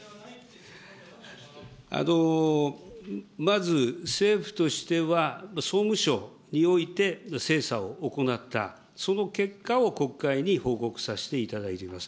まず政府としては、総務省において精査を行った、その結果を国会に報告させていただいています。